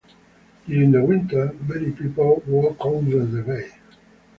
During the winter, many people walk over the bay.